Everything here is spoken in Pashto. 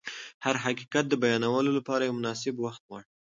هر حقیقت د بیانولو لپاره یو مناسب وخت غواړي.